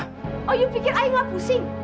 oh you pikir ayah gak pusing